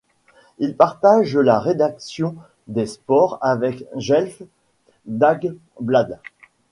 Il partage la rédaction des sports avec Gefle Dagblad.